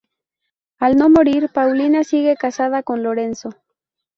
Al no morir, Paulina sigue casada con Lorenzo.